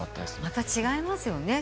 また違いますよね。